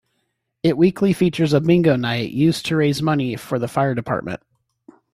It weekly features a Bingo night used to raise money for the fire department.